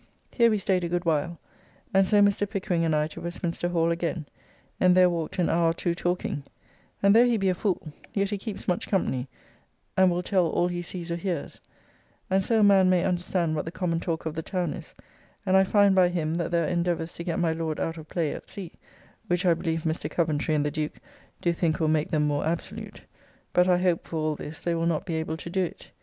Here we staid a good while, and so Mr. Pickering and I to Westminster Hall again, and there walked an hour or two talking, and though he be a fool, yet he keeps much company, and will tell all he sees or hears, and so a man may understand what the common talk of the town is, and I find by him that there are endeavours to get my Lord out of play at sea, which I believe Mr. Coventry and the Duke do think will make them more absolute; but I hope, for all this, they will not be able to do it.